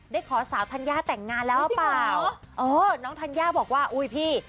ได้ขอสาวทันยาแต่งงานแล้วหรือเปล่าน้องทันยาบอกว่าอุ๊ยพี่